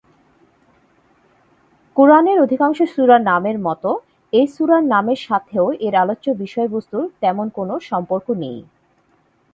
কুরআনের অধিকাংশ সূরার নামের মতো এ সূরার নামের সাথেও এর আলোচ্য বিষয়বস্তুর তেমন কোন সম্পর্ক নেই।